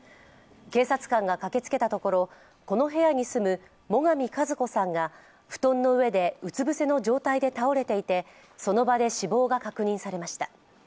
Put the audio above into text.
警察官が駆けつけたところこの部屋に住む最上和子さんが布団の上でうつ伏せの状態で倒れていてその場で死亡が確認されました。